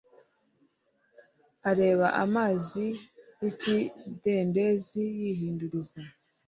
areba amazi y'ikidendezi yihinduriza.